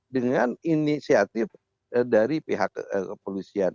dengan inisiatif dari pihak kepolisian